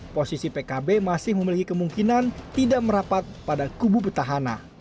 posisi pkb masih memiliki kemungkinan tidak merapat pada kubu petahana